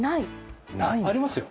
あっありますよ。